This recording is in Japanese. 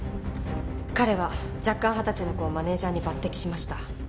彼は弱冠二十歳の子をマネージャーに抜擢しました。